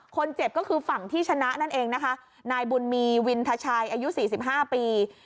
คนเจ็บก็คือฝั่งที่ชนะนั่นเองนะคะนายบุญมีวินทชัยอายุ๔๕ปี